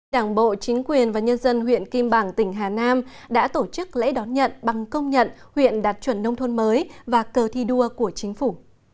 đảng bộ chính quyền và nhân dân huyện kim bảng tỉnh hà nam đã tổ chức lễ đón nhận bằng công nhận huyện đạt chuẩn nông thôn mới và cờ thi đua của chính phủ